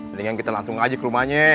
mendingan kita langsung ngajak ke rumahnya